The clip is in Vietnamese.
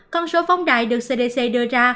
con số phóng đài được cdc đưa ra